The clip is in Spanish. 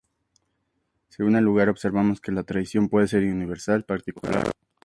Según el lugar observamos que la tradición puede ser "universal", "particular", o "local".